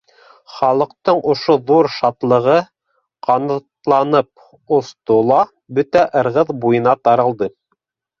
Халыҡтың ошо ҙур шатлығы ҡанатланып осто ла бөтә Ырғыҙ буйына таралды.